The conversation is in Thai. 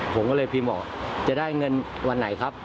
ผมก็เลยพิมพ์บอกจะได้เงินวันไหนครับ